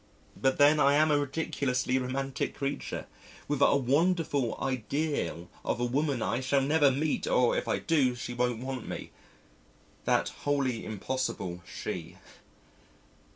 But then I am a ridiculously romantic creature with a wonderful ideal of a woman I shall never meet or if I do she won't want me "that (wholly) impossible She."